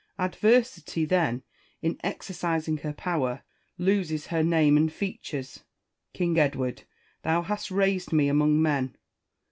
Adversity, then, in exercising her power, loses her name and features. King Edward ! thou hast raised me among men.